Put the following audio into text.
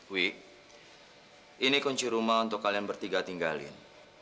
wi ini kunci rumah untuk kalian bertiga tinggalin